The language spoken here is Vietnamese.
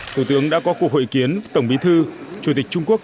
thủ tướng đã có cuộc hội kiến tổng bí thư chủ tịch trung quốc